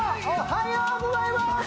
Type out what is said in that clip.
おはようございます